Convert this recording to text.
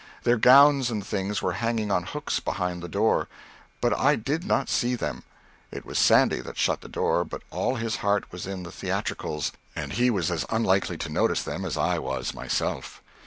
Their gowns and things were hanging on hooks behind the door, but I did not see them; it was Sandy that shut the door, but all his heart was in the theatricals, and he was as unlikely to notice them as I was myself.